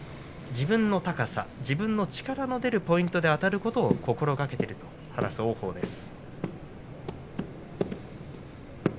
自分の高さ、自分の力の出るポイントであたることを心がけていると話す王鵬です。